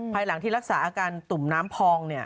ภายหลังที่รักษาอาการตุ่มน้ำพอง